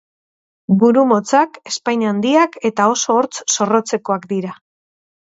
Buru-motzak, ezpain-handiak eta oso hortz zorrotzekoak dira.